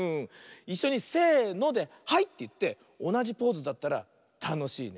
いっしょにせので「はい！」っていっておなじポーズだったらたのしいね。